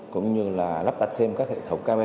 cũng như là lắp đặt thêm các hệ thống camera